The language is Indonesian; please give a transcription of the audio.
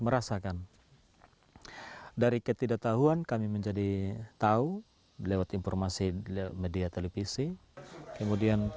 merasakan dari ketidaktahuan kami menjadi tahu lewat informasi di media televisi kemudian